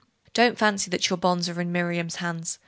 Don't fancy that your bonds are in Miriam's hands.